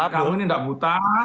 kamu ini tidak buta